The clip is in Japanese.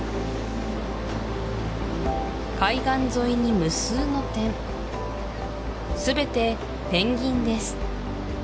海岸沿いに無数の点すべてペンギンです